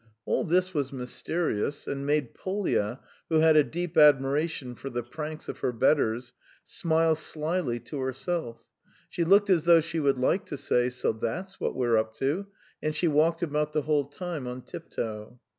All this was mysterious, and made Polya, who had a deep admiration for the pranks of her betters, smile slyly to herself; she looked as though she would like to say, "So that's what we're up to," and she walked about the whole time on tiptoe.